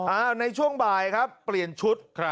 ในช่วงบ่ายครับเปลี่ยนชุด